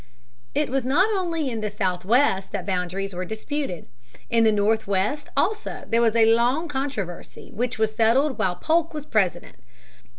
It was not only in the Southwest that boundaries were disputed; in the Northwest also there was a long controversy which was settled while Polk was President.